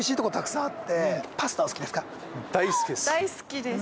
大好きです。